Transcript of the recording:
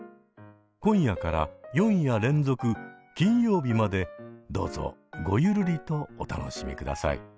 今夜から４夜連続金曜日までどうぞごゆるりとお楽しみください。